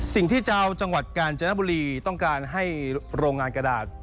เจ้าจังหวัดกาญจนบุรีต้องการให้โรงงานกระดาษ